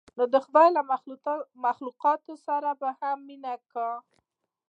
نو د خداى له مخلوقاتو سره به هم مينه کا.